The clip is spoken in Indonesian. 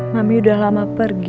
mami udah lama pergi